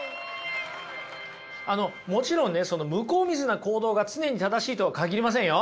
もちろんね向こう見ずな行動が常に正しいとは限りませんよ。